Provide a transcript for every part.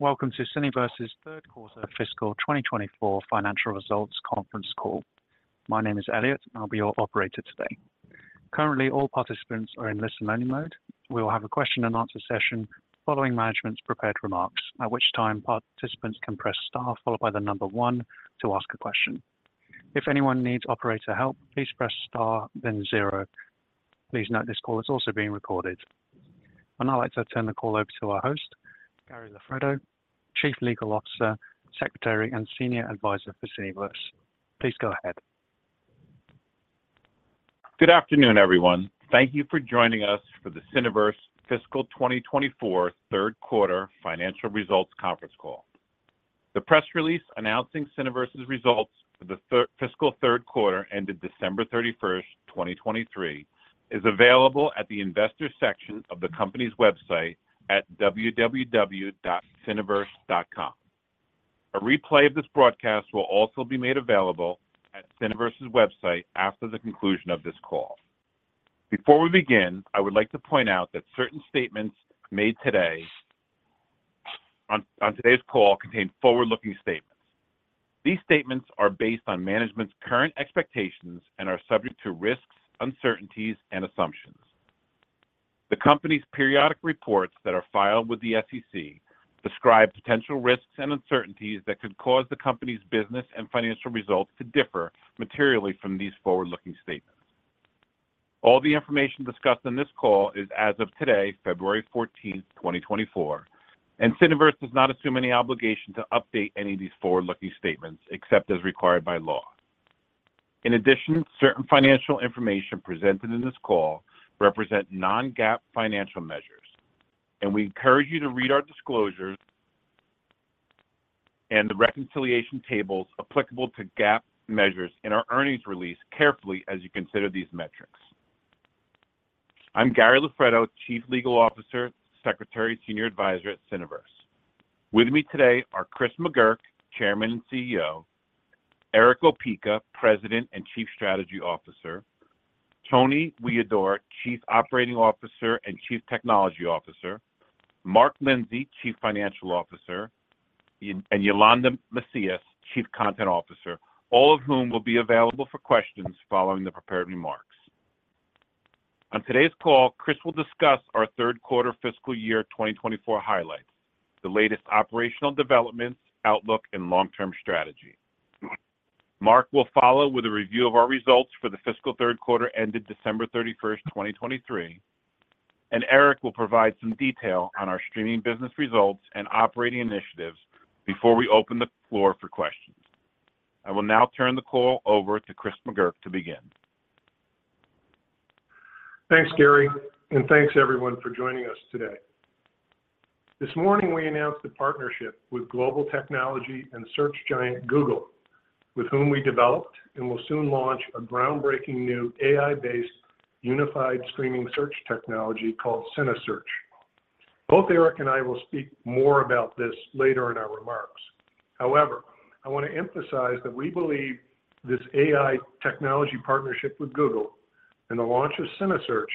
Welcome to Cineverse's third quarter fiscal 2024 financial results conference call. My name is Elliot, and I'll be your operator today. Currently, all participants are in listen-only mode. We will have a question-and-answer session following management's prepared remarks, at which time participants can press star followed by the number one to ask a question. If anyone needs operator help, please press star, then zero. Please note this call is also being recorded. I'd like to turn the call over to our host, Gary Loffredo, Chief Legal Officer, Secretary, and Senior Advisor for Cineverse. Please go ahead. Good afternoon, everyone. Thank you for joining us for the Cineverse fiscal 2024 third quarter financial results conference call. The press release announcing Cineverse's results for the fiscal third quarter ended December 31st, 2023, is available at the investor section of the company's website at www.cineverse.com. A replay of this broadcast will also be made available at Cineverse's website after the conclusion of this call. Before we begin, I would like to point out that certain statements made today on today's call contain forward-looking statements. These statements are based on management's current expectations and are subject to risks, uncertainties, and assumptions. The company's periodic reports that are filed with the SEC describe potential risks and uncertainties that could cause the company's business and financial results to differ materially from these forward-looking statements. All the information discussed in this call is as of today, February 14th, 2024, and Cineverse does not assume any obligation to update any of these forward-looking statements except as required by law. In addition, certain financial information presented in this call represent non-GAAP financial measures, and we encourage you to read our disclosures and the reconciliation tables applicable to GAAP measures in our earnings release carefully as you consider these metrics. I'm Gary Loffredo, Chief Legal Officer, Secretary, Senior Advisor at Cineverse. With me today are Chris McGurk, Chairman and CEO; Erick Opeka, President and Chief Strategy Officer; Tony Huidor, Chief Operating Officer and Chief Technology Officer; Mark Lindsey, Chief Financial Officer; and Yolanda Macias, Chief Content Officer, all of whom will be available for questions following the prepared remarks. On today's call, Chris will discuss our third quarter fiscal year 2024 highlights, the latest operational developments, outlook, and long-term strategy. Mark will follow with a review of our results for the fiscal third quarter ended December 31st, 2023, and Erick will provide some detail on our streaming business results and operating initiatives before we open the floor for questions. I will now turn the call over to Chris McGurk to begin. Thanks, Gary, and thanks everyone for joining us today. This morning we announced a partnership with global technology and search giant Google, with whom we developed and will soon launch a groundbreaking new AI-based unified streaming search technology called cineSearch. Both Erick and I will speak more about this later in our remarks. However, I want to emphasize that we believe this AI technology partnership with Google and the launch of cineSearch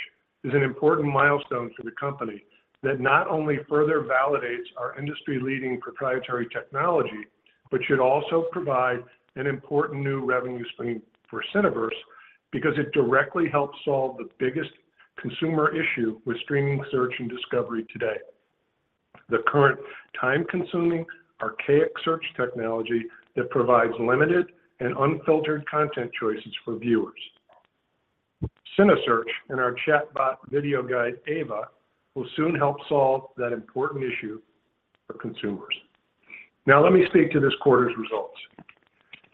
is an important milestone for the company that not only further validates our industry-leading proprietary technology but should also provide an important new revenue stream for Cineverse because it directly helps solve the biggest consumer issue with streaming search and discovery today: the current time-consuming, archaic search technology that provides limited and unfiltered content choices for viewers. cineSearch and our chatbot video guide Ava will soon help solve that important issue for consumers. Now, let me speak to this quarter's results.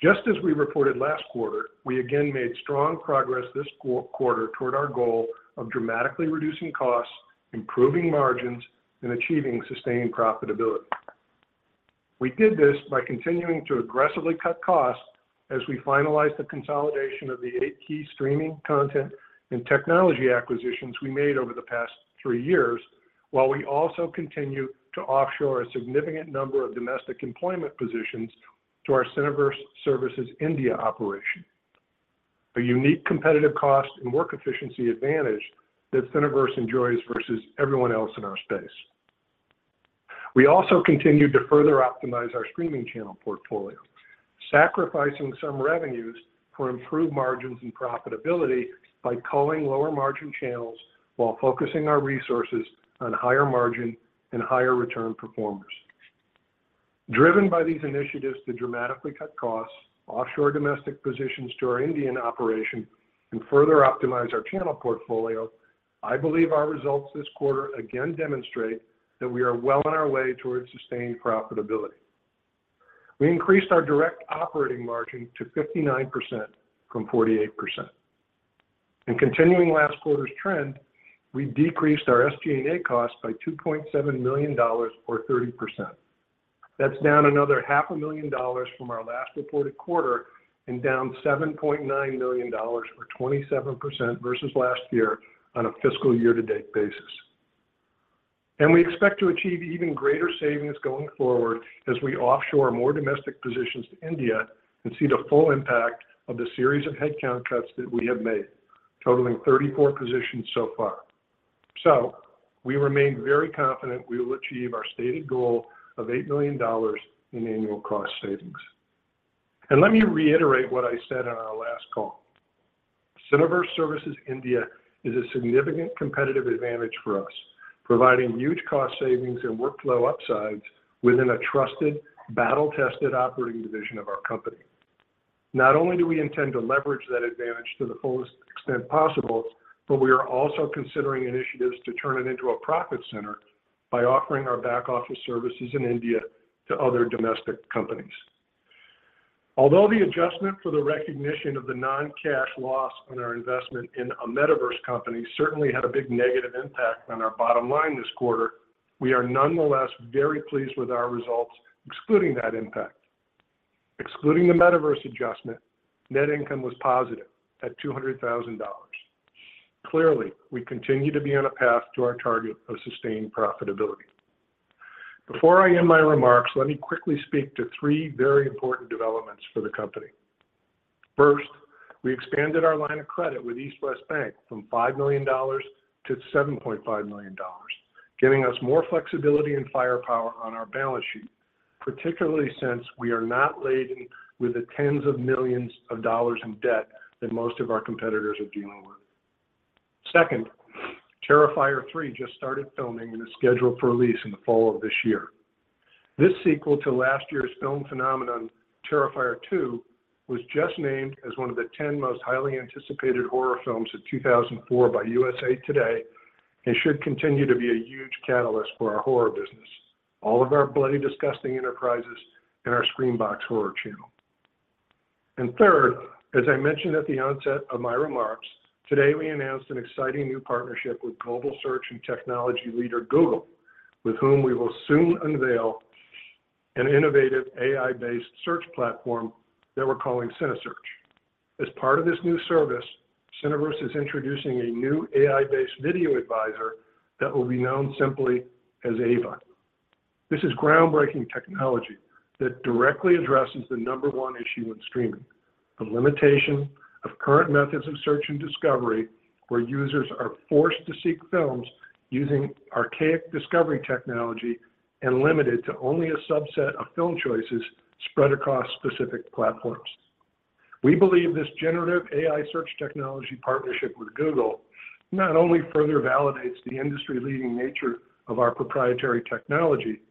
Just as we reported last quarter, we again made strong progress this quarter toward our goal of dramatically reducing costs, improving margins, and achieving sustained profitability. We did this by continuing to aggressively cut costs as we finalized the consolidation of the eight key streaming content and technology acquisitions we made over the past three years, while we also continue to offshore a significant number of domestic employment positions to our Cineverse Services India operation, a unique competitive cost and work efficiency advantage that Cineverse enjoys versus everyone else in our space. We also continue to further optimize our streaming channel portfolio, sacrificing some revenues for improved margins and profitability by culling lower-margin channels while focusing our resources on higher-margin and higher-return performers. Driven by these initiatives to dramatically cut costs, offshore domestic positions to our Indian operation, and further optimize our channel portfolio, I believe our results this quarter again demonstrate that we are well on our way towards sustained profitability. We increased our direct operating margin to 59% from 48%. In continuing last quarter's trend, we decreased our SG&A costs by $2.7 million or 30%. That's down another $500,000 from our last reported quarter and down $7.9 million or 27% versus last year on a fiscal year-to-date basis. And we expect to achieve even greater savings going forward as we offshore more domestic positions to India and see the full impact of the series of headcount cuts that we have made, totaling 34 positions so far. So we remain very confident we will achieve our stated goal of $8 million in annual cost savings. Let me reiterate what I said on our last call. Cineverse Services India is a significant competitive advantage for us, providing huge cost savings and workflow upsides within a trusted, battle-tested operating division of our company. Not only do we intend to leverage that advantage to the fullest extent possible, but we are also considering initiatives to turn it into a profit center by offering our back-office services in India to other domestic companies. Although the adjustment for the recognition of the non-cash loss on our investment in a metaverse company certainly had a big negative impact on our bottom line this quarter, we are nonetheless very pleased with our results excluding that impact. Excluding the metaverse adjustment, net income was positive at $200,000. Clearly, we continue to be on a path to our target of sustained profitability. Before I end my remarks, let me quickly speak to three very important developments for the company. First, we expanded our line of credit with East West Bank from $5 million to $7.5 million, giving us more flexibility and firepower on our balance sheet, particularly since we are not laden with the tens of millions of dollars in debt that most of our competitors are dealing with. Second, Terrifier 3 just started filming and is scheduled for release in the fall of this year. This sequel to last year's film phenomenon, Terrifier 2, was just named as one of the 10 most highly anticipated horror films of 2024 by USA Today and should continue to be a huge catalyst for our horror business, all of our Bloody Disgusting enterprises, and our Screambox horror channel. And third, as I mentioned at the onset of my remarks, today we announced an exciting new partnership with global search and technology leader Google, with whom we will soon unveil an innovative AI-based search platform that we're calling cineSearch. As part of this new service, Cineverse is introducing a new AI-based video advisor that will be known simply as Ava. This is groundbreaking technology that directly addresses the number one issue in streaming, the limitation of current methods of search and discovery where users are forced to seek films using archaic discovery technology and limited to only a subset of film choices spread across specific platforms. We believe this generative AI search technology partnership with Google not only further validates the industry-leading nature of our proprietary technology,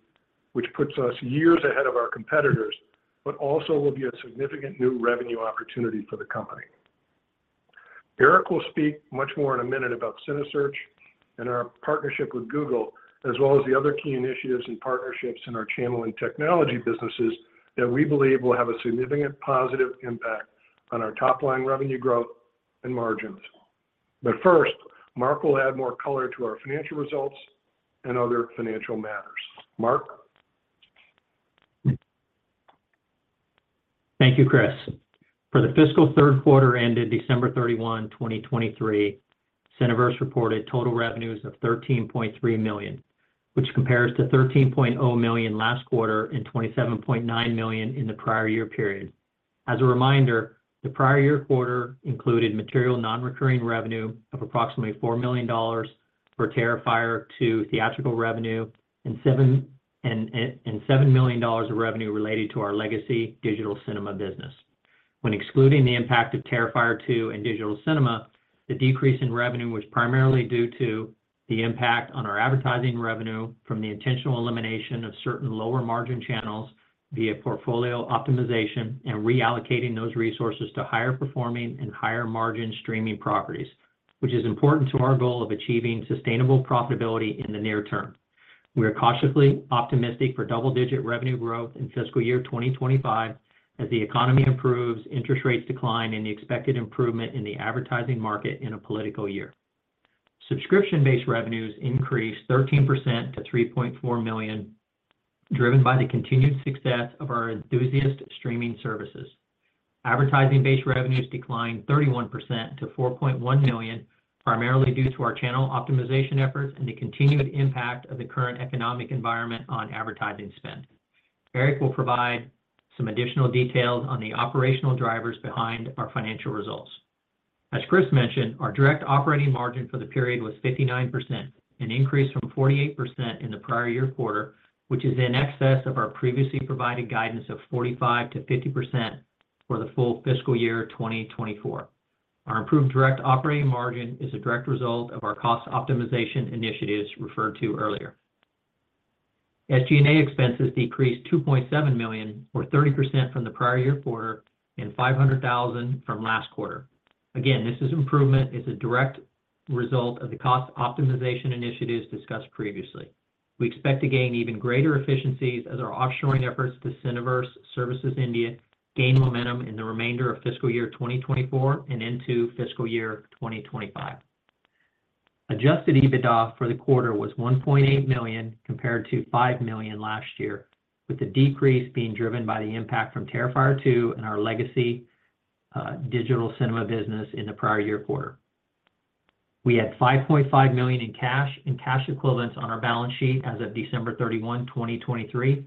which puts us years ahead of our competitors, but also will be a significant new revenue opportunity for the company. Erick will speak much more in a minute about cineSearch and our partnership with Google, as well as the other key initiatives and partnerships in our channel and technology businesses that we believe will have a significant positive impact on our top-line revenue growth and margins. But first, Mark will add more color to our financial results and other financial matters. Mark? Thank you, Chris. For the fiscal third quarter ended December 31, 2023, Cineverse reported total revenues of $13.3 million, which compares to $13.0 million last quarter and $27.9 million in the prior year period. As a reminder, the prior year quarter included material non-recurring revenue of approximately $4 million for Terrifier 2 theatrical revenue and $7 million of revenue related to our legacy digital cinema business. When excluding the impact of Terrifier 2 and digital cinema, the decrease in revenue was primarily due to the impact on our advertising revenue from the intentional elimination of certain lower-margin channels via portfolio optimization and reallocating those resources to higher-performing and higher-margin streaming properties, which is important to our goal of achieving sustainable profitability in the near term. We are cautiously optimistic for double-digit revenue growth in fiscal year 2025 as the economy improves, interest rates decline, and the expected improvement in the advertising market in a political year. Subscription-based revenues increased 13% to $3.4 million, driven by the continued success of our enthusiast streaming services. Advertising-based revenues declined 31% to $4.1 million, primarily due to our channel optimization efforts and the continued impact of the current economic environment on advertising spend. Erick will provide some additional details on the operational drivers behind our financial results. As Chris mentioned, our direct operating margin for the period was 59%, an increase from 48% in the prior year quarter, which is in excess of our previously provided guidance of 45%-50% for the full fiscal year 2024. Our improved direct operating margin is a direct result of our cost optimization initiatives referred to earlier. SG&A expenses decreased $2.7 million or 30% from the prior year quarter and $500,000 from last quarter. Again, this improvement is a direct result of the cost optimization initiatives discussed previously. We expect to gain even greater efficiencies as our offshoring efforts to Cineverse Services India gain momentum in the remainder of fiscal year 2024 and into fiscal year 2025. Adjusted EBITDA for the quarter was $1.8 million compared to $5 million last year, with the decrease being driven by the impact from Terrifier 2 and our legacy digital cinema business in the prior year quarter. We had $5.5 million in cash and cash equivalents on our balance sheet as of December 31, 2023,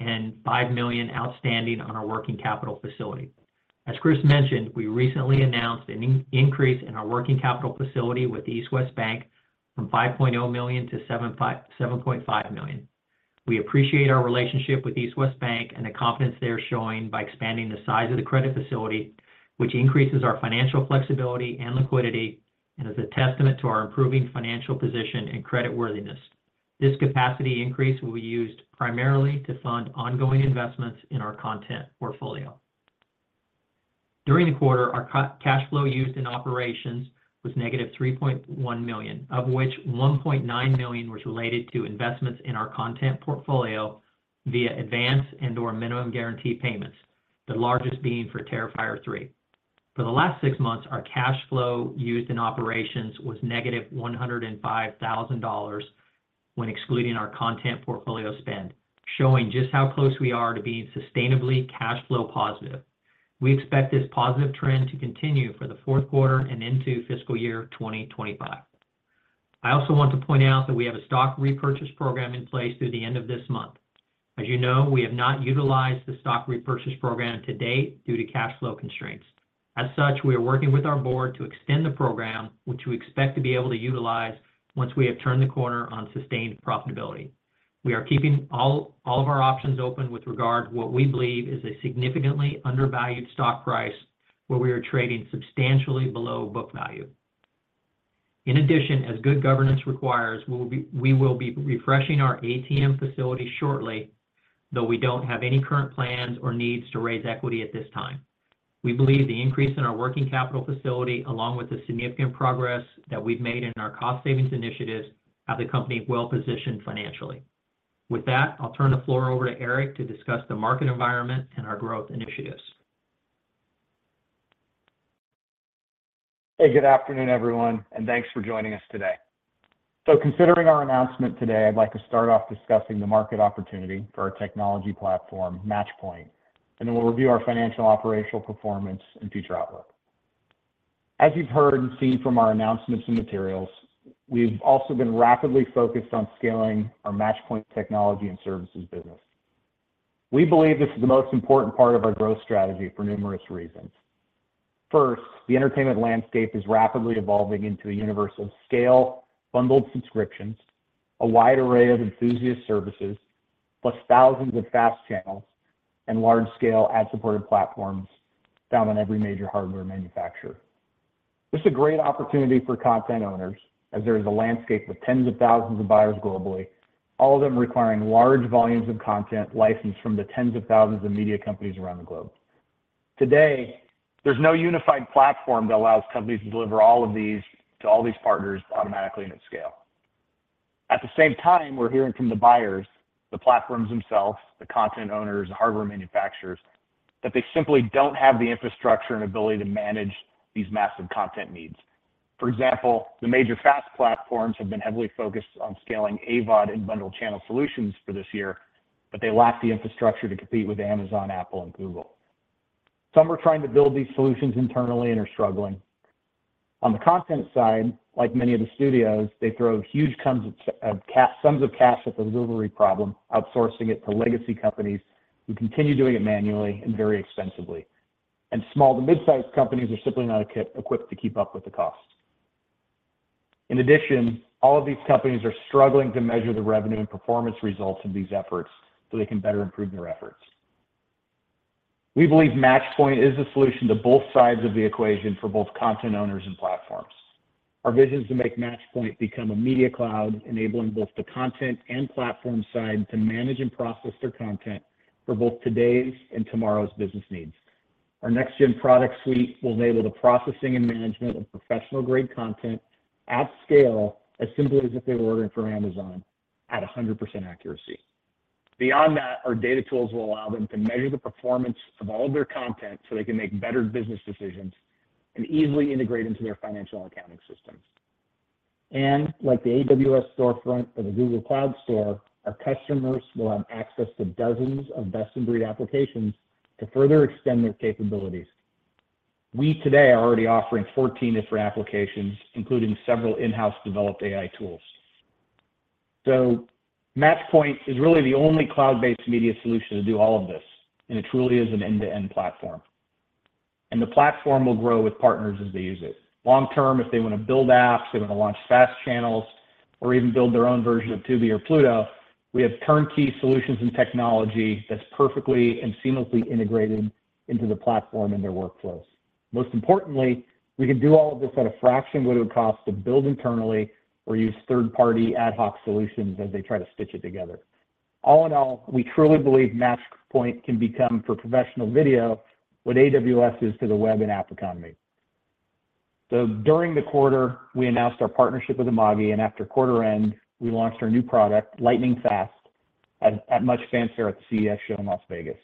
and $5 million outstanding on our working capital facility. As Chris mentioned, we recently announced an increase in our working capital facility with East West Bank from $5.0 million-$7.5 million. We appreciate our relationship with East West Bank and the confidence they are showing by expanding the size of the credit facility, which increases our financial flexibility and liquidity and is a testament to our improving financial position and creditworthiness. This capacity increase will be used primarily to fund ongoing investments in our content portfolio. During the quarter, our cash flow used in operations was -$3.1 million, of which $1.9 million was related to investments in our content portfolio via advance and/or minimum guarantee payments, the largest being for Terrifier 3. For the last six months, our cash flow used in operations was -$105,000 when excluding our content portfolio spend, showing just how close we are to being sustainably cash flow positive. We expect this positive trend to continue for the fourth quarter and into fiscal year 2025. I also want to point out that we have a stock repurchase program in place through the end of this month. As you know, we have not utilized the stock repurchase program to date due to cash flow constraints. As such, we are working with our board to extend the program, which we expect to be able to utilize once we have turned the corner on sustained profitability. We are keeping all of our options open with regard to what we believe is a significantly undervalued stock price where we are trading substantially below book value. In addition, as good governance requires, we will be refreshing our ATM Facility shortly, though we don't have any current plans or needs to raise equity at this time. We believe the increase in our working capital facility, along with the significant progress that we've made in our cost savings initiatives, have the company well-positioned financially. With that, I'll turn the floor over to Erick to discuss the market environment and our growth initiatives. Hey, good afternoon, everyone, and thanks for joining us today. So considering our announcement today, I'd like to start off discussing the market opportunity for our technology platform, Matchpoint, and then we'll review our financial operational performance and future outlook. As you've heard and seen from our announcements and materials, we've also been rapidly focused on scaling our Matchpoint technology and services business. We believe this is the most important part of our growth strategy for numerous reasons. First, the entertainment landscape is rapidly evolving into a universe of scale, bundled subscriptions, a wide array of enthusiast services, plus thousands of FAST channels and large-scale ad-supported platforms found on every major hardware manufacturer. This is a great opportunity for content owners as there is a landscape with tens of thousands of buyers globally, all of them requiring large volumes of content licensed from the tens of thousands of media companies around the globe. Today, there's no unified platform that allows companies to deliver all of these to all these partners automatically and at scale. At the same time, we're hearing from the buyers, the platforms themselves, the content owners, the hardware manufacturers, that they simply don't have the infrastructure and ability to manage these massive content needs. For example, the major FAST platforms have been heavily focused on scaling AVOD and bundled channel solutions for this year, but they lack the infrastructure to compete with Amazon, Apple, and Google. Some are trying to build these solutions internally and are struggling. On the content side, like many of the studios, they throw huge sums of cash at the library problem, outsourcing it to legacy companies who continue doing it manually and very expensively. Small to midsize companies are simply not equipped to keep up with the cost. In addition, all of these companies are struggling to measure the revenue and performance results of these efforts so they can better improve their efforts. We believe Matchpoint is the solution to both sides of the equation for both content owners and platforms. Our vision is to make Matchpoint become a media cloud, enabling both the content and platform side to manage and process their content for both today's and tomorrow's business needs. Our next-gen product suite will enable the processing and management of professional-grade content at scale, as simply as if they were ordering from Amazon, at 100% accuracy. Beyond that, our data tools will allow them to measure the performance of all of their content so they can make better business decisions and easily integrate into their financial accounting systems. Like the AWS Storefront or the Google Cloud Store, our customers will have access to dozens of best-of-breed applications to further extend their capabilities. We today are already offering 14 different applications, including several in-house developed AI tools. Matchpoint is really the only cloud-based media solution to do all of this, and it truly is an end-to-end platform. The platform will grow with partners as they use it. Long term, if they want to build apps, they want to launch FAST channels, or even build their own version of Tubi or Pluto, we have turnkey solutions and technology that's perfectly and seamlessly integrated into the platform and their workflows. Most importantly, we can do all of this at a fraction of what it would cost to build internally or use third-party ad hoc solutions as they try to stitch it together. All in all, we truly believe Matchpoint can become, for professional video, what AWS is to the web and app economy. So during the quarter, we announced our partnership with Amagi, and after quarter end, we launched our new product, LightningFAST, at the Venetian at the CES Show in Las Vegas.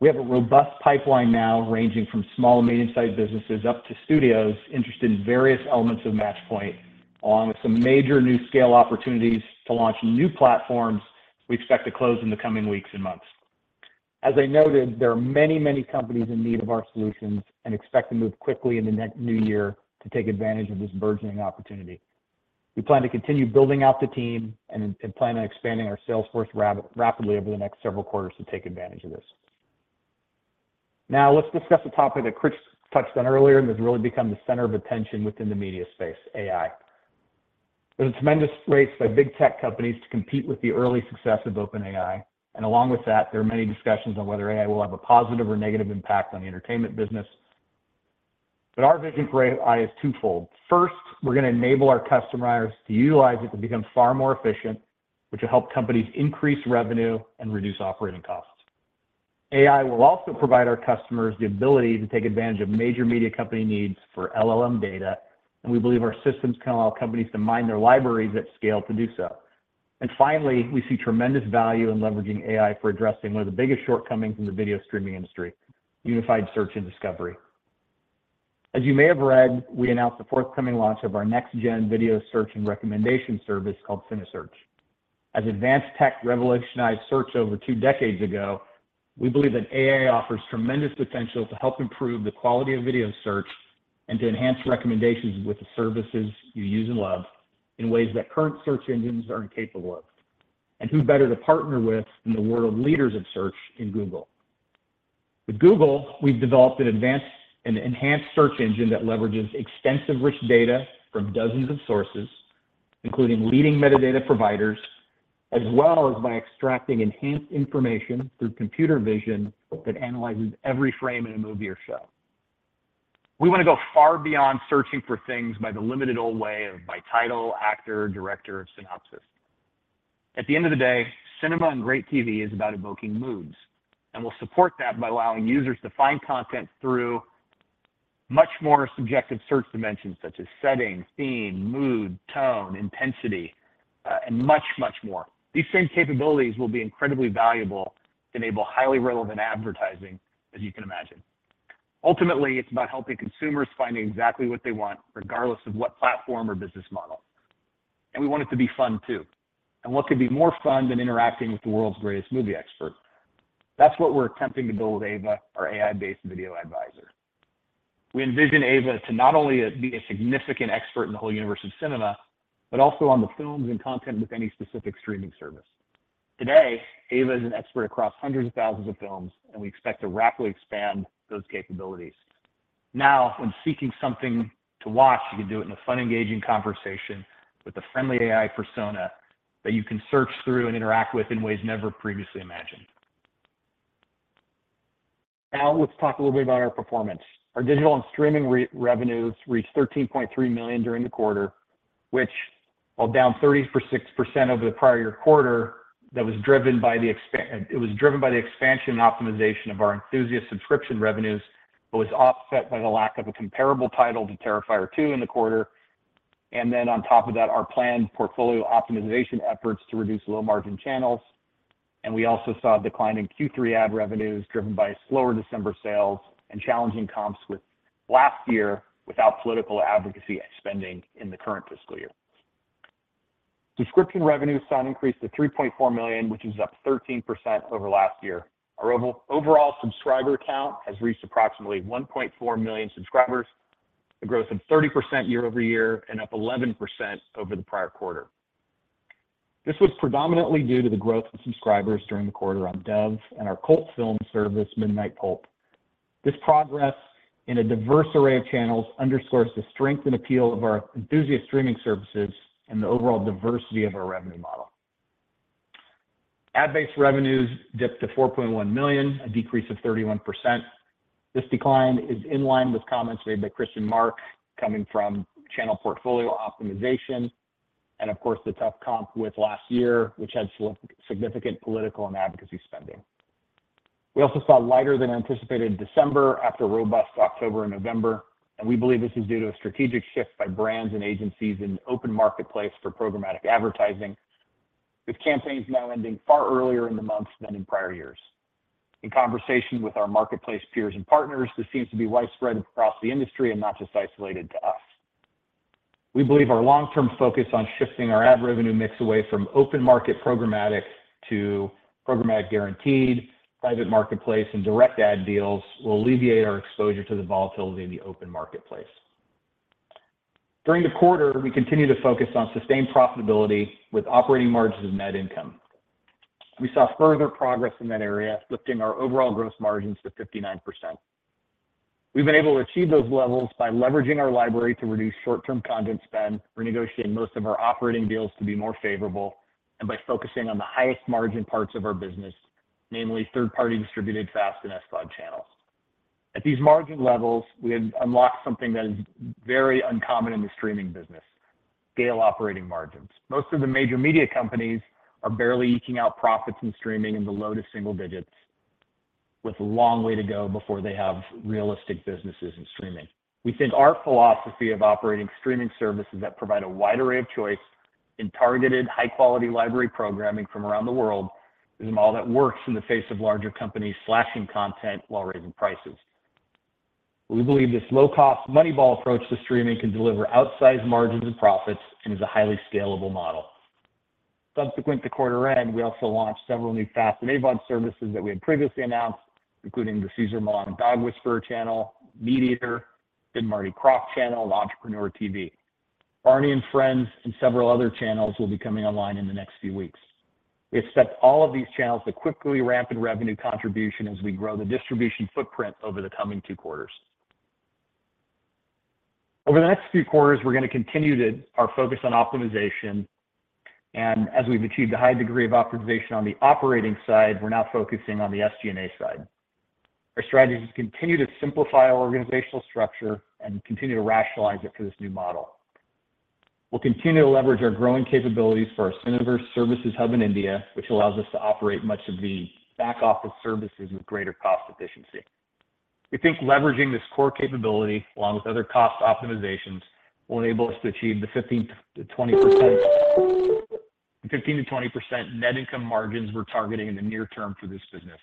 We have a robust pipeline now ranging from small and medium-sized businesses up to studios interested in various elements of Matchpoint, along with some major large-scale opportunities to launch new platforms we expect to close in the coming weeks and months. As I noted, there are many, many companies in need of our solutions and expect to move quickly in the next new year to take advantage of this burgeoning opportunity. We plan to continue building out the team and plan on expanding our sales force rapidly over the next several quarters to take advantage of this. Now, let's discuss a topic that Chris touched on earlier and has really become the center of attention within the media space, AI. There's a tremendous race by big tech companies to compete with the early success of OpenAI. Along with that, there are many discussions on whether AI will have a positive or negative impact on the entertainment business. But our vision for AI is twofold. First, we're going to enable our customers to utilize it to become far more efficient, which will help companies increase revenue and reduce operating costs. AI will also provide our customers the ability to take advantage of major media company needs for LLM data, and we believe our systems can allow companies to mine their libraries at scale to do so. And finally, we see tremendous value in leveraging AI for addressing one of the biggest shortcomings in the video streaming industry, unified search and discovery. As you may have read, we announced the forthcoming launch of our next-gen video search and recommendation service called cineSearch. As advanced tech revolutionized search over two decades ago, we believe that AI offers tremendous potential to help improve the quality of video search and to enhance recommendations with the services you use and love in ways that current search engines aren't capable of. And who better to partner with than the world leaders of search in Google? With Google, we've developed an advanced and enhanced search engine that leverages extensive rich data from dozens of sources, including leading metadata providers, as well as by extracting enhanced information through computer vision that analyzes every frame in a movie or show. We want to go far beyond searching for things by the limited old way of by title, actor, director, synopsis. At the end of the day, cinema and great TV is about evoking moods. And we'll support that by allowing users to find content through much more subjective search dimensions such as setting, theme, mood, tone, intensity, and much, much more. These same capabilities will be incredibly valuable to enable highly relevant advertising, as you can imagine. Ultimately, it's about helping consumers find exactly what they want, regardless of what platform or business model. And we want it to be fun, too. What could be more fun than interacting with the world's greatest movie expert? That's what we're attempting to build with Ava, our AI-based video advisor. We envision Ava to not only be a significant expert in the whole universe of cinema, but also on the films and content with any specific streaming service. Today, Ava is an expert across hundreds of thousands of films, and we expect to rapidly expand those capabilities. Now, when seeking something to watch, you can do it in a fun, engaging conversation with a friendly AI persona that you can search through and interact with in ways never previously imagined. Now, let's talk a little bit about our performance. Our digital and streaming revenues reached $13.3 million during the quarter, which, while down 36% over the prior-year quarter, was driven by the expansion and optimization of our enthusiast subscription revenues, but was offset by the lack of a comparable title to Terrifier 2 in the quarter. Then on top of that, our planned portfolio optimization efforts to reduce low-margin channels. We also saw declining Q3 ad revenues driven by slower December sales and challenging comps with last year without political advocacy spending in the current fiscal year. Subscription revenues saw an increase to $3.4 million, which is up 13% over last year. Our overall subscriber count has reached approximately 1.4 million subscribers, a growth of 30% year-over-year and up 11% over the prior quarter. This was predominantly due to the growth of subscribers during the quarter on Dove and our cult film service Midnight Pulp. This progress in a diverse array of channels underscores the strength and appeal of our enthusiast streaming services and the overall diversity of our revenue model. Ad-based revenues dipped to $4.1 million, a decrease of 31%. This decline is in line with comments made by Chris and Mark coming from channel portfolio optimization and, of course, the tough comp with last year, which had significant political and advocacy spending. We also saw lighter-than-anticipated December after robust October and November, and we believe this is due to a strategic shift by brands and agencies in the open marketplace for programmatic advertising, with campaigns now ending far earlier in the month than in prior years. In conversation with our marketplace peers and partners, this seems to be widespread across the industry and not just isolated to us. We believe our long-term focus on shifting our ad revenue mix away from open market programmatic to programmatic guaranteed, private marketplace, and direct ad deals will alleviate our exposure to the volatility in the open marketplace. During the quarter, we continue to focus on sustained profitability with operating margins and net income. We saw further progress in that area, lifting our overall gross margins to 59%. We've been able to achieve those levels by leveraging our library to reduce short-term content spend, renegotiating most of our operating deals to be more favorable, and by focusing on the highest margin parts of our business, namely third-party distributed FAST and SVOD channels. At these margin levels, we have unlocked something that is very uncommon in the streaming business: scale operating margins. Most of the major media companies are barely eking out profits in streaming in the low to single digits, with a long way to go before they have realistic businesses in streaming. We think our philosophy of operating streaming services that provide a wide array of choice in targeted, high-quality library programming from around the world is all that works in the face of larger companies slashing content while raising prices. We believe this low-cost, money-ball approach to streaming can deliver outsized margins and profits and is a highly scalable model. Subsequent to quarter end, we also launched several new FAST and AVOD services that we had previously announced, including the Cesar Millan and Dog Whisperer channel, MeatEater, Sid and Marty Krofft channel, and Entrepreneur TV. Barney & Friends and several other channels will be coming online in the next few weeks. We expect all of these channels to quickly ramp in revenue contribution as we grow the distribution footprint over the coming two quarters. Over the next few quarters, we're going to continue our focus on optimization. As we've achieved a high degree of optimization on the operating side, we're now focusing on the SG&A side. Our strategy is to continue to simplify our organizational structure and continue to rationalize it for this new model. We'll continue to leverage our growing capabilities for our Cineverse Services Hub in India, which allows us to operate much of the back-office services with greater cost efficiency. We think leveraging this core capability, along with other cost optimizations, will enable us to achieve the 15%-20% net income margins we're targeting in the near term for this business.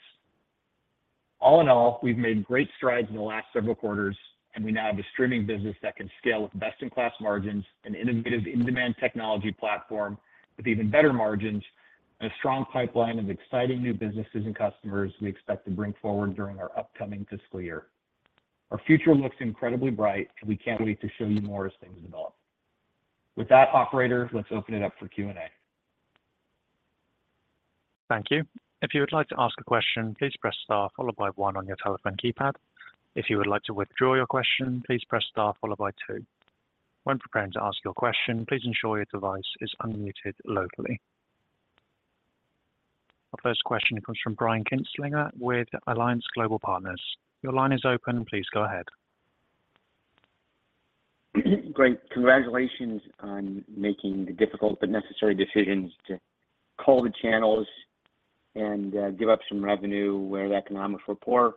All in all, we've made great strides in the last several quarters, and we now have a streaming business that can scale with best-in-class margins, an innovative in-demand technology platform with even better margins, and a strong pipeline of exciting new businesses and customers we expect to bring forward during our upcoming fiscal year. Our future looks incredibly bright, and we can't wait to show you more as things develop. With that, operator, let's open it up for Q&A. Thank you. If you would like to ask a question, please press star followed by one on your telephone keypad. If you would like to withdraw your question, please press star followed by two. When preparing to ask your question, please ensure your device is unmuted locally. Our first question comes from Brian Kinstlinger with Alliance Global Partners. Your line is open. Please go ahead. Great. Congratulations on making the difficult but necessary decisions to cull the channels and give up some revenue where the economics were poor.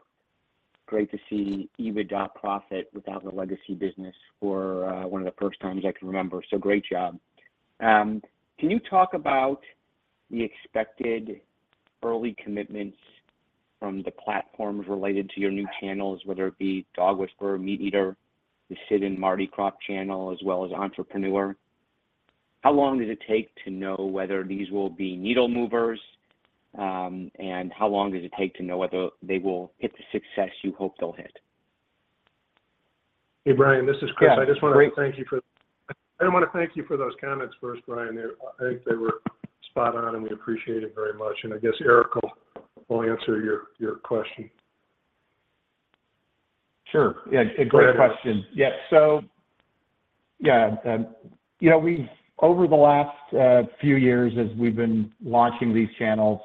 Great to see EBITDA profit without the legacy business for one of the first times I can remember. So great job. Can you talk about the expected early commitments from the platforms related to your new channels, whether it be Dog Whisperer, MeatEater, the Sid and Marty Krofft channel, as well as Entrepreneur? How long does it take to know whether these will be needle movers, and how long does it take to know whether they will hit the success you hope they'll hit? Hey, Brian. This is Chris. I just want to thank you for the. I do want to thank you for those comments first, Brian. I think they were spot-on, and we appreciate it very much. I guess Erick will answer your question. Sure. Yeah, great question. Yeah. So yeah, over the last few years as we've been launching these channels,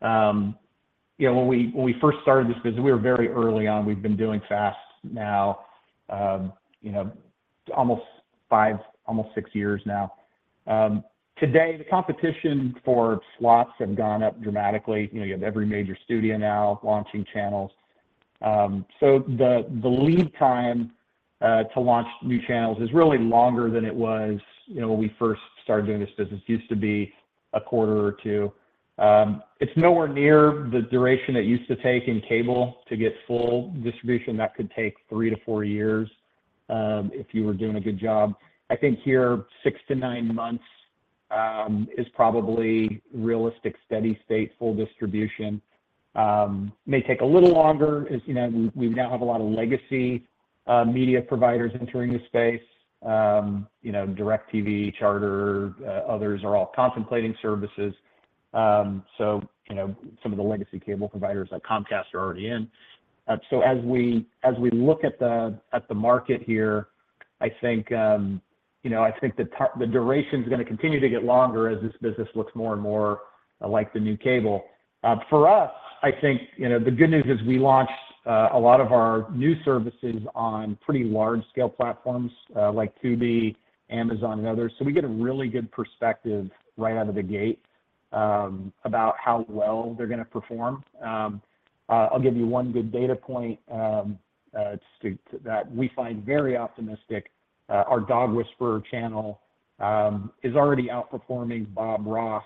when we first started this business, we were very early on. We've been doing FAST now almost 6 years now. Today, the competition for slots has gone up dramatically. You have every major studio now launching channels. So the lead time to launch new channels is really longer than it was when we first started doing this business. It used to be a quarter or two. It's nowhere near the duration it used to take in cable to get full distribution. That could take 3-4 years if you were doing a good job. I think here, 6-9 months is probably realistic, steady-state, full distribution. May take a little longer. We now have a lot of legacy media providers entering the space. DirecTV, Charter, others are all contemplating services. So some of the legacy cable providers like Comcast are already in. So as we look at the market here, I think the duration is going to continue to get longer as this business looks more and more like the new cable. For us, I think the good news is we launched a lot of our new services on pretty large-scale platforms like Tubi, Amazon, and others. So we get a really good perspective right out of the gate about how well they're going to perform. I'll give you one good data point that we find very optimistic. Our Dog Whisperer channel is already outperforming Bob Ross,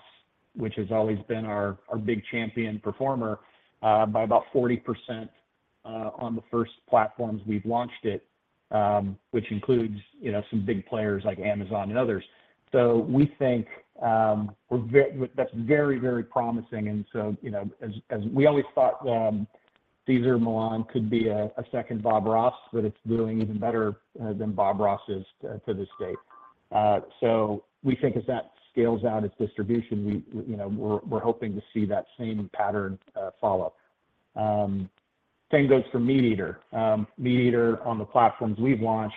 which has always been our big champion performer by about 40% on the first platforms we've launched it, which includes some big players like Amazon and others. So we think that's very, very promising. We always thought Cesar Millan could be a second Bob Ross, but it's doing even better than Bob Ross is to this date. We think as that scales out its distribution, we're hoping to see that same pattern follow. Same goes for MeatEater. MeatEater, on the platforms we've launched,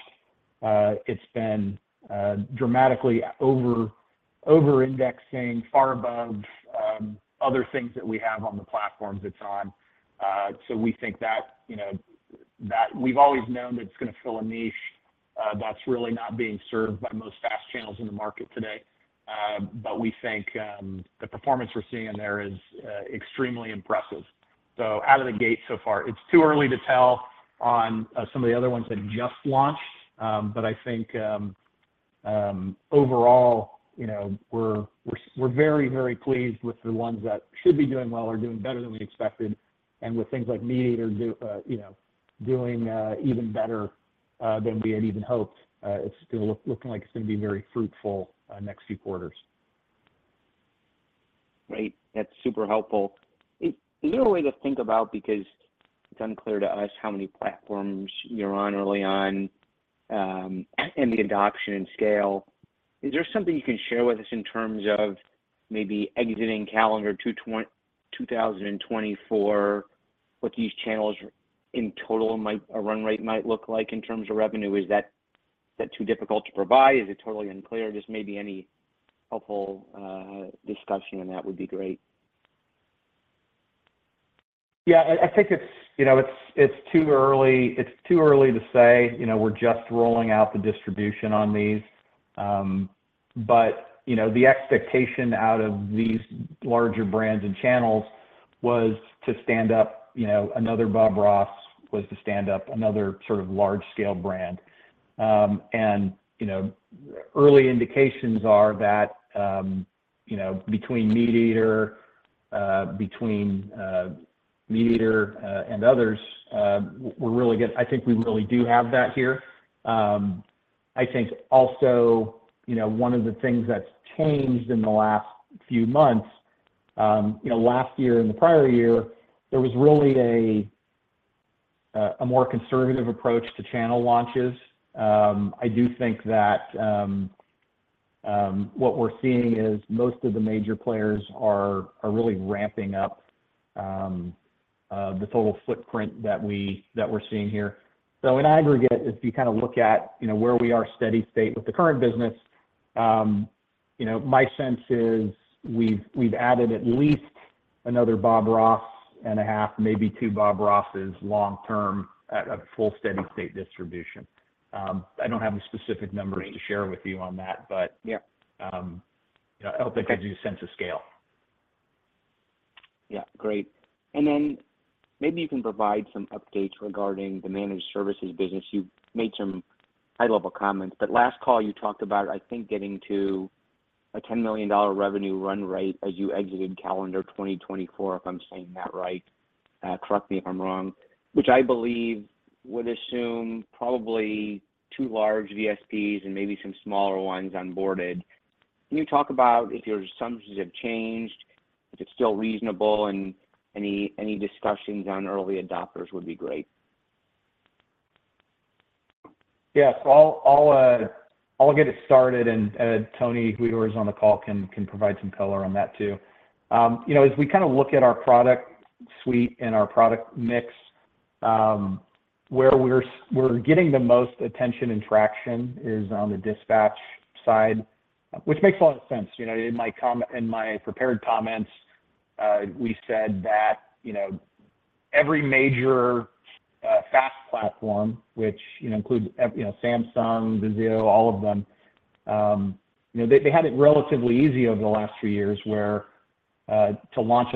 it's been dramatically over-indexing, far above other things that we have on the platforms it's on. We think that we've always known that it's going to fill a niche that's really not being served by most FAST channels in the market today. We think the performance we're seeing in there is extremely impressive. Out of the gate so far, it's too early to tell on some of the other ones that just launched. But I think overall, we're very, very pleased with the ones that should be doing well or doing better than we expected. And with things like MeatEater doing even better than we had even hoped, it's looking like it's going to be very fruitful next few quarters. Great. That's super helpful. Is there a way to think about because it's unclear to us how many platforms you're on early on and the adoption and scale, is there something you can share with us in terms of maybe exiting calendar 2024, what these channels in total might a run rate might look like in terms of revenue? Is that too difficult to provide? Is it totally unclear? Just maybe any helpful discussion on that would be great. Yeah, I think it's too early. It's too early to say we're just rolling out the distribution on these. But the expectation out of these larger brands and channels was to stand up another Bob Ross was to stand up another sort of large-scale brand. And early indications are that between MeatEater, between MeatEater and others, we're really good. I think we really do have that here. I think also one of the things that's changed in the last few months, last year and the prior year, there was really a more conservative approach to channel launches. I do think that what we're seeing is most of the major players are really ramping up the total footprint that we're seeing here. So in aggregate, if you kind of look at where we are steady-state with the current business, my sense is we've added at least another Bob Ross and a half, maybe two Bob Rosses long-term at a full steady-state distribution. I don't have any specific numbers to share with you on that, but I hope that gives you a sense of scale. Yeah, great. And then maybe you can provide some updates regarding the managed services business. You made some high-level comments, but last call, you talked about, I think, getting to a $10 million revenue run rate as you exited calendar 2024, if I'm saying that right. Correct me if I'm wrong, which I believe would assume probably two large VSPs and maybe some smaller ones onboarded. Can you talk about if your assumptions have changed, if it's still reasonable, and any discussions on early adopters would be great. Yeah, so I'll get it started. And Tony, whoever's on the call, can provide some color on that too. As we kind of look at our product suite and our product mix, where we're getting the most attention and traction is on the Dispatch side, which makes a lot of sense. In my prepared comments, we said that every major FAST platform, which includes Samsung, Vizio, all of them, they had it relatively easy over the last few years where to launch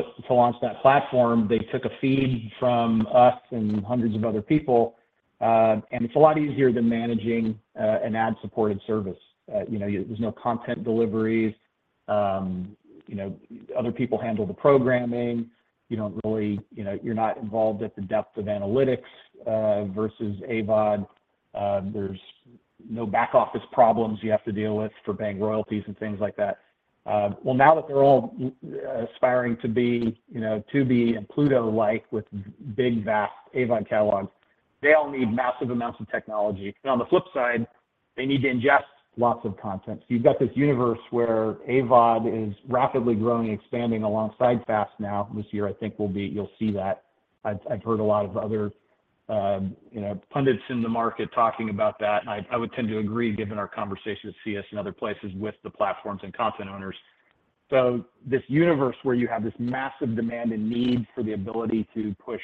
that platform, they took a feed from us and hundreds of other people. And it's a lot easier than managing an ad-supported service. There's no content deliveries. Other people handle the programming. You're not involved at the depth of analytics versus AVOD. There's no back-office problems you have to deal with for paying royalties and things like that. Well, now that they're all aspiring to be Tubi and Pluto-like with big, vast AVOD catalogs, they all need massive amounts of technology. And on the flip side, they need to ingest lots of content. So you've got this universe where AVOD is rapidly growing, expanding alongside FAST now. This year, I think you'll see that. I've heard a lot of other pundits in the market talking about that. And I would tend to agree given our conversations with CES and other places with the platforms and content owners. So this universe where you have this massive demand and need for the ability to push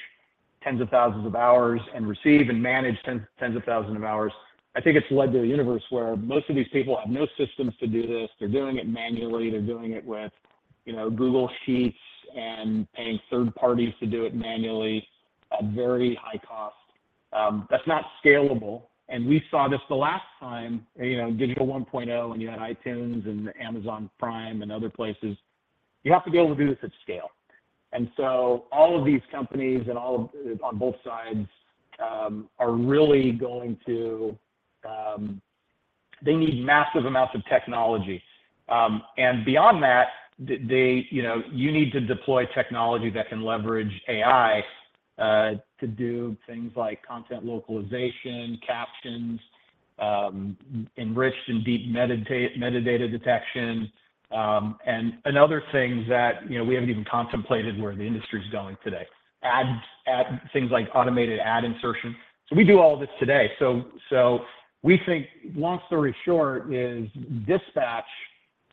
tens of thousands of hours and receive and manage tens of thousands of hours, I think it's led to a universe where most of these people have no systems to do this. They're doing it manually. They're doing it with Google Sheets and paying third parties to do it manually at very high cost. That's not scalable. We saw this the last time, Digital 1.0, and you had iTunes and Amazon Prime and other places. You have to be able to do this at scale. So all of these companies on both sides are really going to they need massive amounts of technology. Beyond that, you need to deploy technology that can leverage AI to do things like content localization, captions, enriched and deep metadata detection. Another thing that we haven't even contemplated where the industry is going today, things like automated ad insertion. So we do all this today. So we think, long story short, is dispatch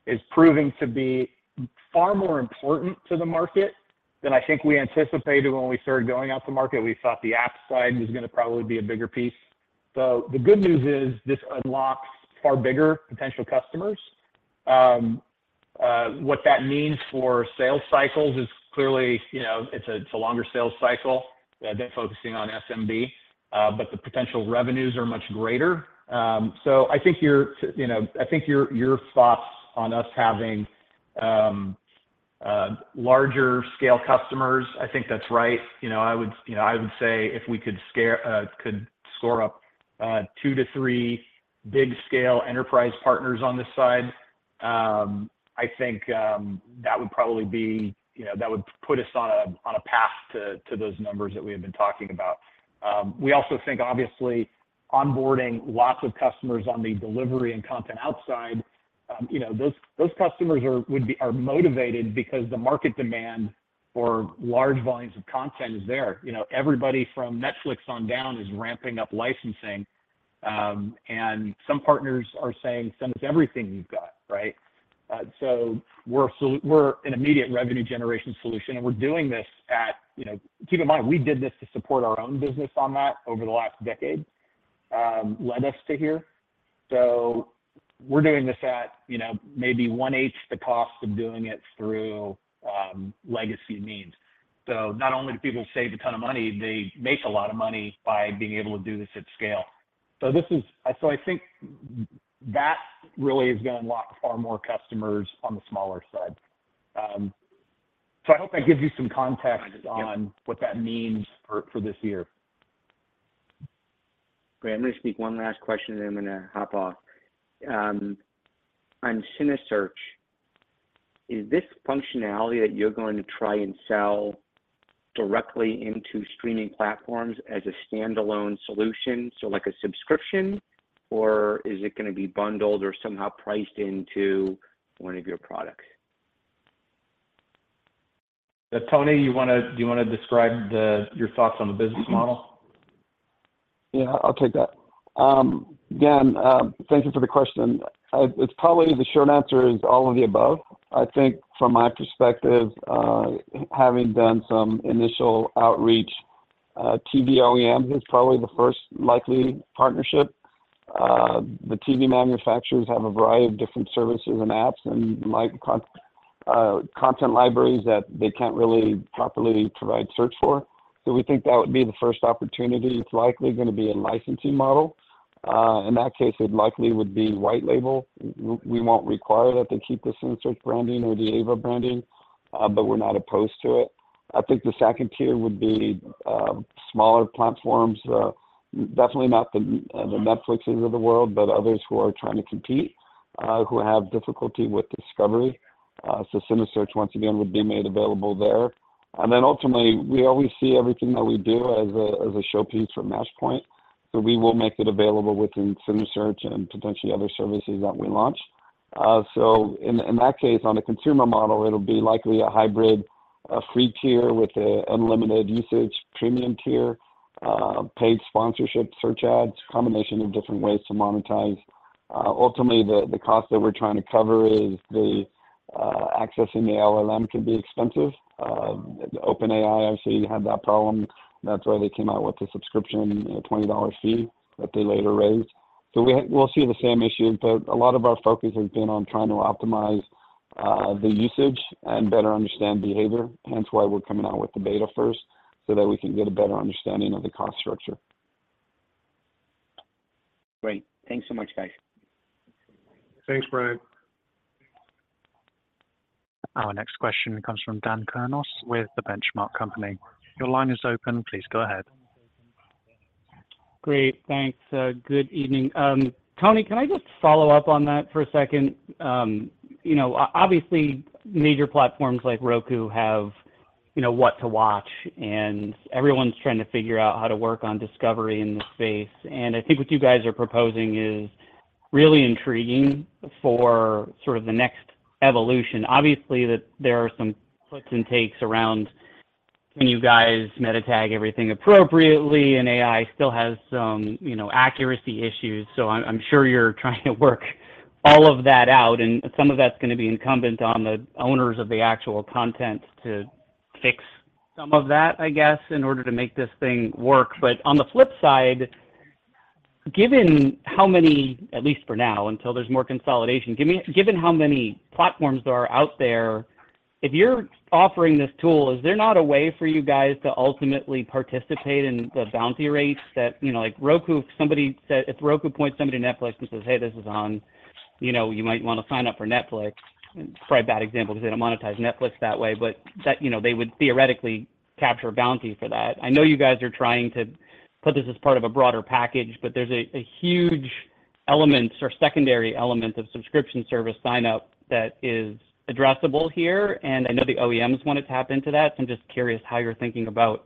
is proving to be far more important to the market than I think we anticipated when we started going out to market. We thought the app side was going to probably be a bigger piece. So the good news is this unlocks far bigger potential customers. What that means for sales cycles is clearly it's a longer sales cycle than focusing on SMB. But the potential revenues are much greater. So I think you're, I think, your thoughts on us having larger-scale customers, I think that's right. I would say if we could scale could score up 2-3 big-scale enterprise partners on this side, I think that would probably be, that would put us on a path to those numbers that we have been talking about. We also think, obviously, onboarding lots of customers on the delivery and content outside, those customers are motivated because the market demand for large volumes of content is there. Everybody from Netflix on down is ramping up licensing. Some partners are saying, "Send us everything you've got," right? So we're an immediate revenue generation solution. And we're doing this. Keep in mind, we did this to support our own business, and that over the last decade led us to here. So we're doing this at maybe one-eighth the cost of doing it through legacy means. So not only do people save a ton of money, they make a lot of money by being able to do this at scale. So I think that really is going to unlock far more customers on the smaller side. So I hope that gives you some context on what that means for this year. Great. I'm going to speak one last question, and then I'm going to hop off. On cineSearch, is this functionality that you're going to try and sell directly into streaming platforms as a standalone solution, so like a subscription, or is it going to be bundled or somehow priced into one of your products? Tony, do you want to describe your thoughts on the business model? Yeah, I'll take that. Again, thank you for the question. The short answer is all of the above. I think, from my perspective, having done some initial outreach, TV OEMs is probably the first likely partnership. The TV manufacturers have a variety of different services and apps and content libraries that they can't really properly provide search for. So we think that would be the first opportunity. It's likely going to be a licensing model. In that case, it likely would be white label. We won't require that they keep the cineSearch branding or the AVOD branding, but we're not opposed to it. I think the second tier would be smaller platforms, definitely not the Netflixes of the world, but others who are trying to compete, who have difficulty with discovery. So cineSearch, once again, would be made available there. Then ultimately, we always see everything that we do as a showpiece from Matchpoint. So we will make it available within cineSearch and potentially other services that we launch. So in that case, on a consumer model, it'll be likely a hybrid, a free tier with an unlimited usage, premium tier, paid sponsorship, search ads, combination of different ways to monetize. Ultimately, the cost that we're trying to cover is the accessing the LLM can be expensive. OpenAI, obviously, had that problem. That's why they came out with the subscription, a $20 fee that they later raised. So we'll see the same issues. But a lot of our focus has been on trying to optimize the usage and better understand behavior. Hence why we're coming out with the beta first so that we can get a better understanding of the cost structure. Great. Thanks so much, guys. Thanks, Brian. Our next question comes from Dan Kurnos with The Benchmark Company. Your line is open. Please go ahead. Great. Thanks. Good evening. Tony, can I just follow up on that for a second? Obviously, major platforms like Roku have what to watch, and everyone's trying to figure out how to work on discovery in this space. And I think what you guys are proposing is really intriguing for sort of the next evolution. Obviously, there are some puts and takes around can you guys meta-tag everything appropriately? And AI still has some accuracy issues. So I'm sure you're trying to work all of that out. And some of that's going to be incumbent on the owners of the actual content to fix some of that, I guess, in order to make this thing work. But on the flip side, given how many at least for now, until there's more consolidation, given how many platforms there are out there, if you're offering this tool, is there not a way for you guys to ultimately participate in the bounty rates that like Roku, if somebody said if Roku points somebody to Netflix and says, "Hey, this is on," you might want to sign up for Netflix. It's probably a bad example because they don't monetize Netflix that way. But they would theoretically capture a bounty for that. I know you guys are trying to put this as part of a broader package, but there's a huge element or secondary element of subscription service sign-up that is addressable here. And I know the OEMs want to tap into that. I'm just curious how you're thinking about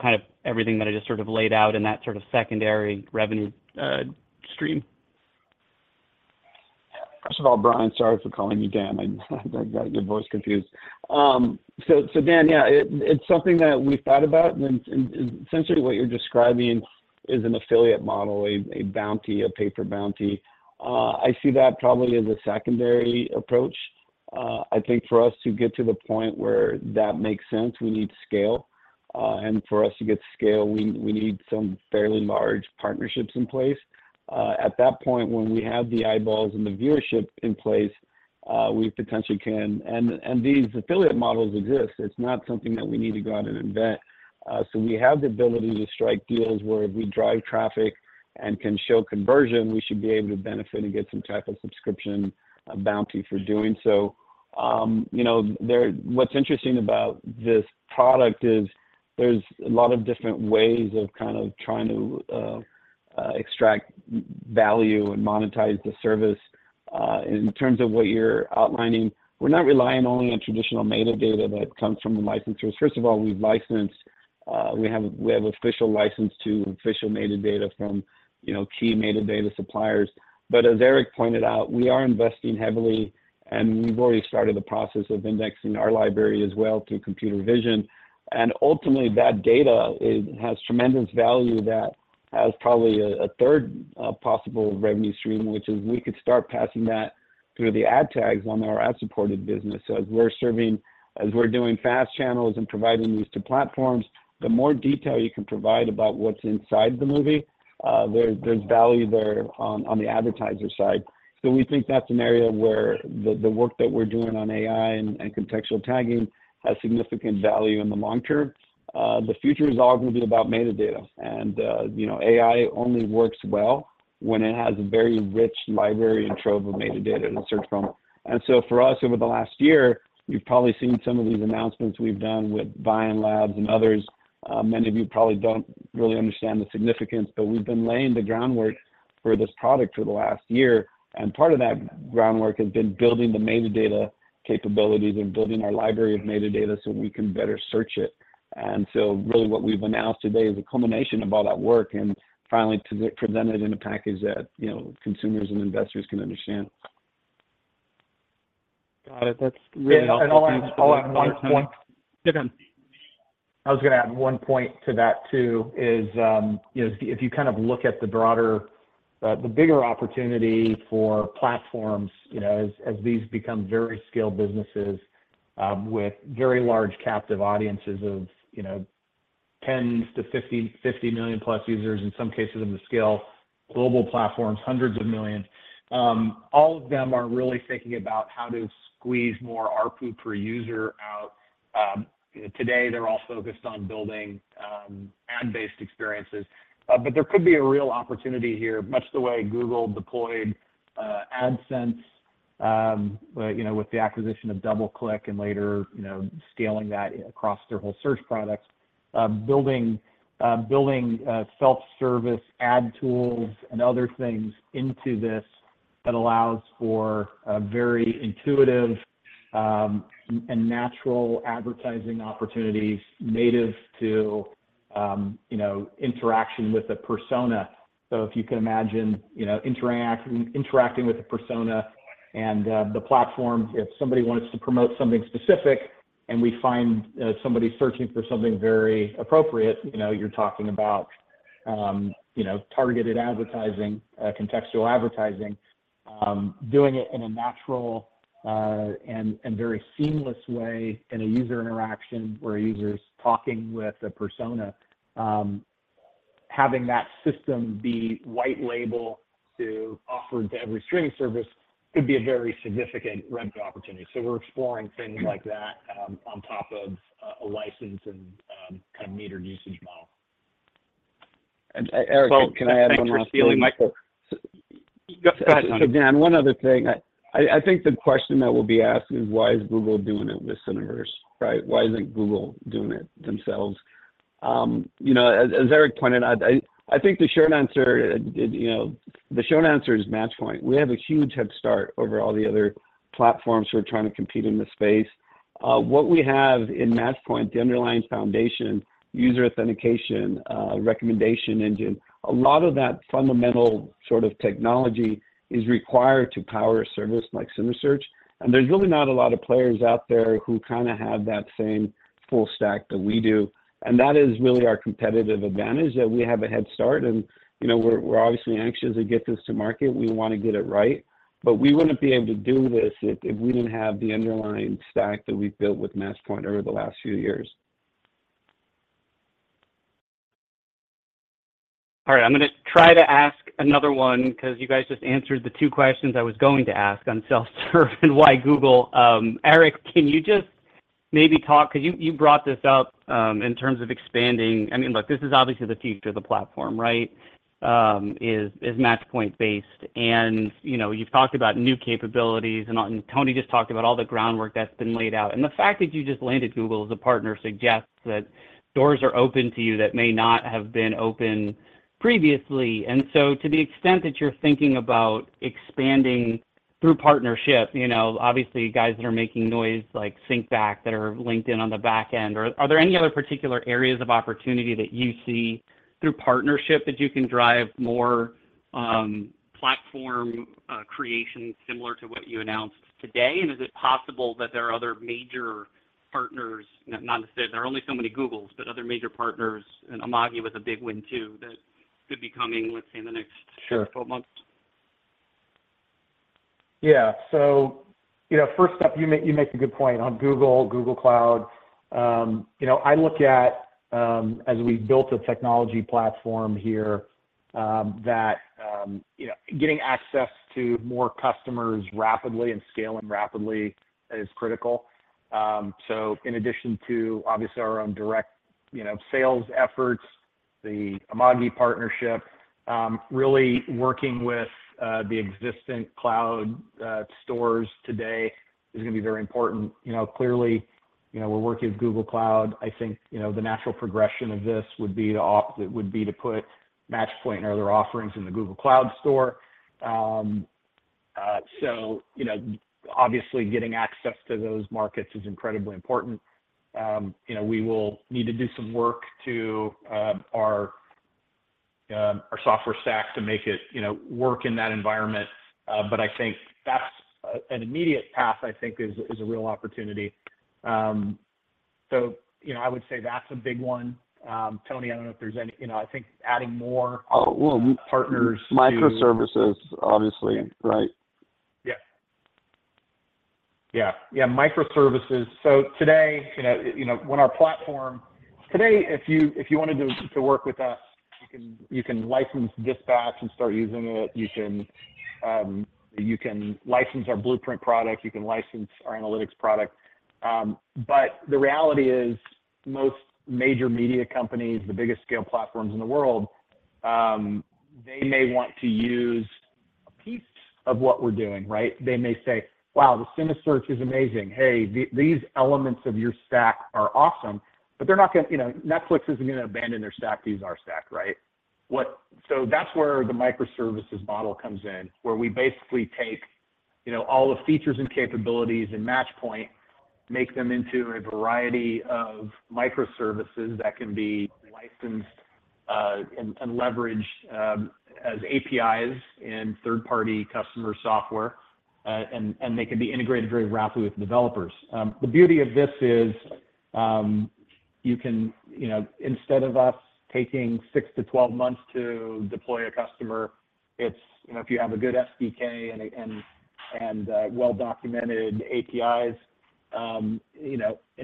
kind of everything that I just sort of laid out in that sort of secondary revenue stream? First of all, Brian, sorry for calling you Dan. I got your voice confused. So Dan, yeah, it's something that we've thought about. And essentially, what you're describing is an affiliate model, a bounty, a paper bounty. I see that probably as a secondary approach. I think for us to get to the point where that makes sense, we need scale. And for us to get scale, we need some fairly large partnerships in place. At that point, when we have the eyeballs and the viewership in place, we potentially can, and these affiliate models exist. It's not something that we need to go out and invent. So we have the ability to strike deals where if we drive traffic and can show conversion, we should be able to benefit and get some type of subscription bounty for doing so. What's interesting about this product is there's a lot of different ways of kind of trying to extract value and monetize the service. In terms of what you're outlining, we're not relying only on traditional metadata that comes from the licensors. First of all, we've licensed. We have official license to official metadata from key metadata suppliers. But as Erick pointed out, we are investing heavily, and we've already started the process of indexing our library as well through computer vision. And ultimately, that data has tremendous value that has probably a third possible revenue stream, which is we could start passing that through the ad tags on our ad-supported business. So as we're serving as we're doing FAST channels and providing these to platforms, the more detail you can provide about what's inside the movie, there's value there on the advertiser side. We think that's an area where the work that we're doing on AI and contextual tagging has significant value in the long term. The future is all going to be about metadata. AI only works well when it has a very rich library and trove of metadata to search from. For us, over the last year, you've probably seen some of these announcements we've done with Vionlabs and others. Many of you probably don't really understand the significance, but we've been laying the groundwork for this product for the last year. Part of that groundwork has been building the metadata capabilities and building our library of metadata so we can better search it. Really, what we've announced today is a culmination of all that work and finally presented in a package that consumers and investors can understand. Got it. That's really helpful. I'll add one point. Go ahead. I was going to add one point to that too is if you kind of look at the broader the bigger opportunity for platforms as these become very scale businesses with very large captive audiences of 10 million-50 million+ users, in some cases of the scale, global platforms, hundreds of millions, all of them are really thinking about how to squeeze more RPU per user out. Today, they're all focused on building ad-based experiences. But there could be a real opportunity here, much the way Google deployed AdSense with the acquisition of DoubleClick and later scaling that across their whole search product, building self-service ad tools and other things into this that allows for very intuitive and natural advertising opportunities native to interaction with a persona. So if you can imagine interacting with a persona and the platform, if somebody wants to promote something specific and we find somebody searching for something very appropriate, you're talking about targeted advertising, contextual advertising, doing it in a natural and very seamless way in a user interaction where a user's talking with a persona. Having that system be white label to offer to every streaming service could be a very significant revenue opportunity. So we're exploring things like that on top of a license and kind of metered usage model. Erick, can I add one last thing? Thanks for stealing my show, go ahead, Tony. So Dan, one other thing. I think the question that will be asked is, "Why is Google doing it with Cineverse, right? Why isn't Google doing it themselves?" As Erick pointed, I think the short answer is Matchpoint. We have a huge head start over all the other platforms who are trying to compete in this space. What we have in Matchpoint, the underlying foundation, user authentication, recommendation engine, a lot of that fundamental sort of technology is required to power a service like cineSearch. And there's really not a lot of players out there who kind of have that same full stack that we do. And that is really our competitive advantage, that we have a head start. And we're obviously anxious to get this to market. We want to get it right. But we wouldn't be able to do this if we didn't have the underlying stack that we've built with Matchpoint over the last few years. All right. I'm going to try to ask another one because you guys just answered the two questions I was going to ask on self-serve and why Google. Erick, can you just maybe talk because you brought this up in terms of expanding? I mean, look, this is obviously the future of the platform, right, is Matchpoint-based. And you've talked about new capabilities. And Tony just talked about all the groundwork that's been laid out. And the fact that you just landed Google as a partner suggests that doors are open to you that may not have been open previously. And so to the extent that you're thinking about expanding through partnership, obviously, guys that are making noise like SyncBak that are linked in on the back end, are there any other particular areas of opportunity that you see through partnership that you can drive more platform creation similar to what you announced today? And is it possible that there are other major partners not necessarily there are only so many Googles, but other major partners? And Amagi was a big one too that could be coming, let's say, in the next 12 months. Yeah. So first up, you make a good point on Google, Google Cloud. I look at, as we've built a technology platform here, that getting access to more customers rapidly and scaling rapidly is critical. So in addition to, obviously, our own direct sales efforts, the Amagi partnership, really working with the existent cloud stores today is going to be very important. Clearly, we're working with Google Cloud. I think the natural progression of this would be to put Matchpoint and other offerings in the Google Cloud Store. So obviously, getting access to those markets is incredibly important. We will need to do some work to our software stack to make it work in that environment. But I think that's an immediate path, I think, is a real opportunity. So I would say that's a big one. Tony, I don't know if there's any I think adding more partners to. Well, microservices, obviously, right? Yeah. Microservices. So today, when our platform today, if you wanted to work with us, you can license Dispatch and start using it. You can license our Blueprint product. You can license our analytics product. But the reality is, most major media companies, the biggest-scale platforms in the world, they may want to use a piece of what we're doing, right? They may say, "Wow, the cineSearch is amazing. Hey, these elements of your stack are awesome." But they're not going to. Netflix isn't going to abandon their stack to use our stack, right? So that's where the microservices model comes in, where we basically take all the features and capabilities in Matchpoint, make them into a variety of microservices that can be licensed and leveraged as APIs in third-party customer software. And they can be integrated very rapidly with developers. The beauty of this is, instead of us taking 6-12 months to deploy a customer, if you have a good SDK and well-documented APIs, an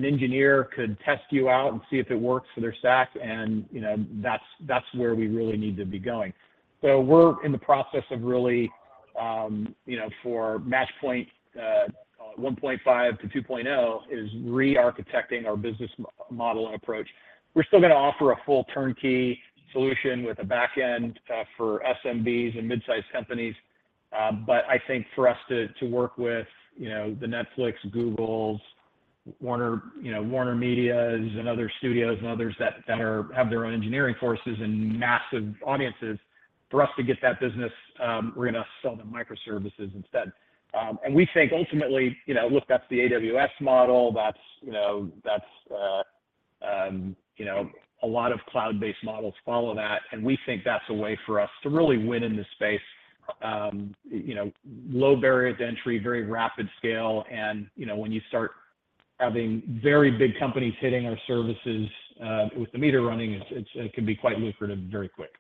engineer could test you out and see if it works for their stack. That's where we really need to be going. We're in the process of really, for Matchpoint, call it 1.5-2.0, is re-architecting our business model and approach. We're still going to offer a full turnkey solution with a backend for SMBs and midsize companies. I think for us to work with the Netflix, Google's, WarnerMedia's, and other studios and others that have their own engineering forces and massive audiences, for us to get that business, we're going to sell them microservices instead. We think, ultimately, look, that's the AWS model. That's a lot of cloud-based models follow that. We think that's a way for us to really win in this space, low barrier to entry, very rapid scale. When you start having very big companies hitting our services with the meter running, it can be quite lucrative very quick.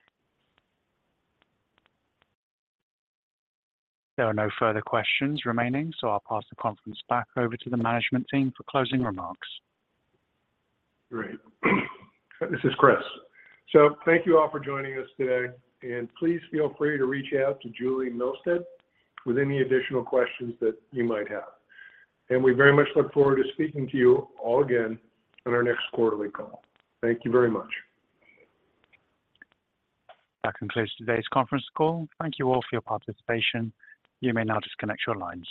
There are no further questions remaining, so I'll pass the conference back over to the management team for closing remarks. Great. This is Chris. Thank you all for joining us today. Please feel free to reach out to Julie Milstead with any additional questions that you might have. We very much look forward to speaking to you all again on our next quarterly call. Thank you very much. That concludes today's conference call. Thank you all for your participation. You may now disconnect your lines.